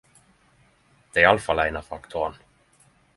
Det er i alle fall ein av faktorane.